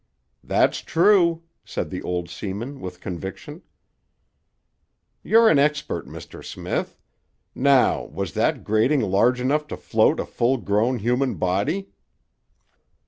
"That's true," said the old seaman with conviction. "You're an expert, Mr. Smith. Now, was that grating large enough to float a full grown human body?"